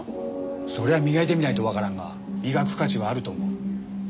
そりゃ磨いてみないとわからんが磨く価値はあると思う。